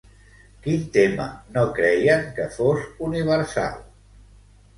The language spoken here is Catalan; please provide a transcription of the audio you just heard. Quin tema no creien que fos universal?